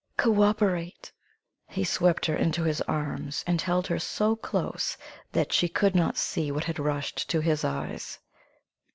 "Cooperate!" He swept her into his arms, and held her so close that she could not see what had rushed to his eyes.